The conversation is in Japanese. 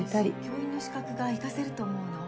教員の資格が生かせると思うの。